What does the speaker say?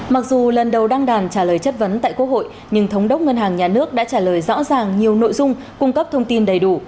mặc dù lần đầu đăng đàn trả lời chất vấn tại quốc hội nhưng thống đốc ngân hàng nhà nước đã trả lời rõ ràng nhiều nội dung cung cấp thông tin đầy đủ